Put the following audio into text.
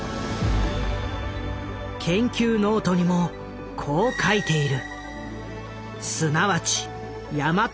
研究ノートにもこう書いている。